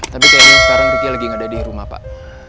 tapi kayaknya sekarang riki lagi gak ada dirumah pak